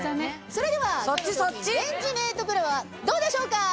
それではレンジメートプロはどうでしょうか？